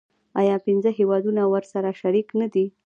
آیا پنځه هیوادونه ورسره شریک نه دي؟